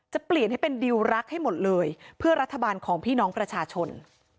เปลี่ยนให้เป็นดิวรักให้หมดเลยเพื่อรัฐบาลของพี่น้องประชาชน